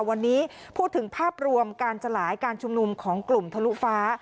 วันนี้พูดถึงภาพรวมการสลายการชุมนุมของกลุ่มทะลุฟ้า